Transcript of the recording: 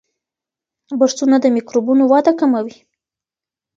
برسونه د میکروبونو وده کموي.